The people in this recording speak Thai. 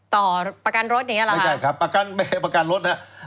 ต่อประกันรถอย่างนี้หรอครับไม่ใช่ครับประกันรถนะ